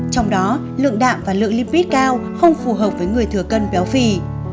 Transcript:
trong đó lượng đạm và lượng libit cao không phù hợp với người thừa cân béo phì